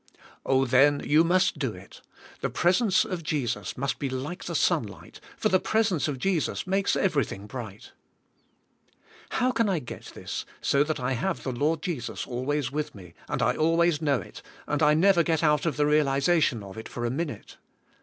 Oh, then you must do it. The presence of Jesus must be like the sunlight, for the presence of Jesus makes everything bright. How can I get this, so that I have the Lord Jesus always with me, and I always know it, and I never get out of the realization of it for a minute?